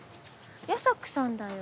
矢差暮さんだよ